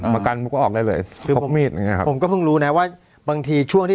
ประกันผมก็ออกได้เลยคือพกมีดอย่างเงี้ครับผมก็เพิ่งรู้นะว่าบางทีช่วงที่